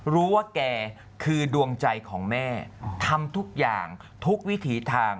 ว่าแกคือดวงใจของแม่ทำทุกอย่างทุกวิถีทาง